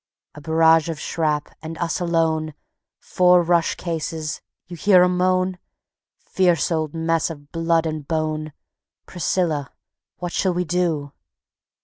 A barrage of shrap, and us alone; Four rush cases you hear 'em moan? Fierce old messes of blood and bone. ... Priscilla, what shall we do?"